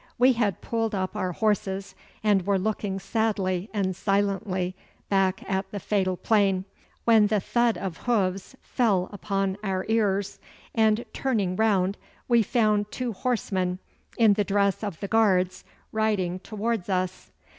We had pulled up our horses, and were looking sadly and silently back at the fatal plain, when the thud of hoofs fell upon our ears, and, turning round, we found two horsemen in the dress of the guards riding towards us.